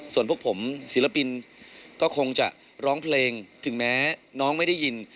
ส่วนพวกผมศิลปินก็คงจะร้องเพลงถึงแม้น้องไม่ได้ยิน